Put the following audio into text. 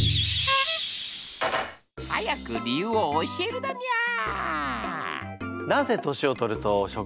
早く理由を教えるだにゃー！